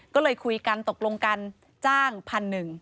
ก็เลยคุยกันตกลงกันจ้าง๑๐๐๐บาท